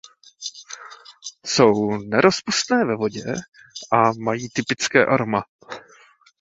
Jsou nerozpustné ve vodě a mají typické aroma.